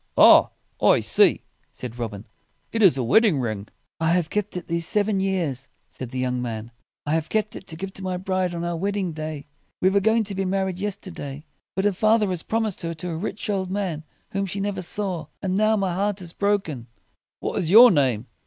"Ah, I see!" said Robin: "it is a wedding ring." "I have kept it these seven years," said the young man; "I have kept it to give to my bride on our wedding day. We were going to be married yes ter day. But her father has prom ised her to a rich old man whom she never saw. And now my heart is broken." "What is your name?"